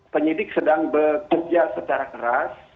penyidik sedang bekerja secara keras